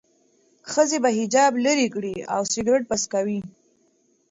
ښځې به حجاب لرې کړ او سیګرټ به څکاوه.